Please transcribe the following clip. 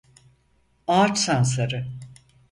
Ağaç sansarı.